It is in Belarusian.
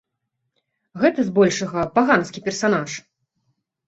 Гэта, збольшага, паганскі персанаж.